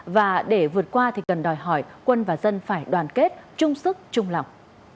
và để vượt qua thì cần đòi hỏi quân và dân phải đoàn kết chung sức chung lòng